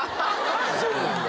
そうなんだ。